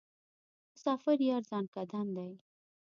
مسافر یار ځانکدن دی.